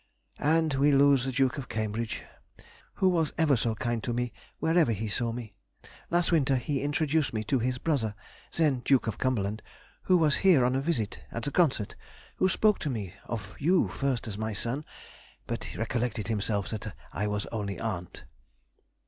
And we lose the Duke of Cambridge, who was ever so kind to me wherever he saw me. Last winter he introduced me to his brother, then Duke of Cumberland, who was here on a visit, at the concert, who spoke to me of you first as my son, but recollected himself that I was only aunt....